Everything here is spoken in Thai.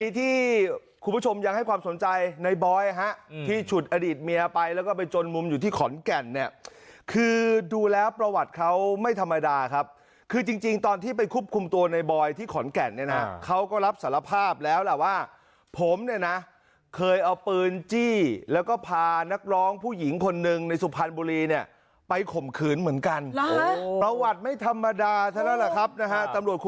ที่คุณผู้ชมยังให้ความสนใจในบอยฮะที่ฉุดอดีตเมียไปแล้วก็ไปจนมุมอยู่ที่ขอนแก่นเนี่ยคือดูแล้วประวัติเขาไม่ธรรมดาครับคือจริงตอนที่ไปควบคุมตัวในบอยที่ขอนแก่นเนี่ยนะเขาก็รับสารภาพแล้วล่ะว่าผมเนี่ยนะเคยเอาปืนจี้แล้วก็พานักร้องผู้หญิงคนหนึ่งในสุพรรณบุรีเนี่ยไปข่มขืนเหมือนกันประวัติไม่ธรรมดาซะแล้วล่ะครับนะฮะตำรวจค